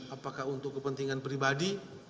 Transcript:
apakah untuk kepentingan pribadi